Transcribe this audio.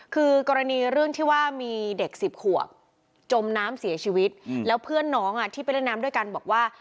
คือกรณีเรื่องที่ว่ามีเด็ก๑๐ขวบจมน้ำเสียชีวิตแล้วเพื่อนน้องที่ไปเล่นน้ำด้วยกันบอกว่า